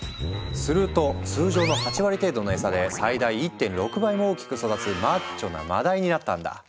すると通常の８割程度の餌で最大１．６倍も大きく育つマッチョなマダイになったんだ。